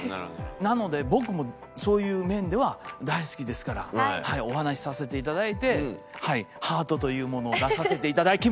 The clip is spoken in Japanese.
なので僕もそういう面では大好きですからお話しさせていただいてハートというものを出させていただきました。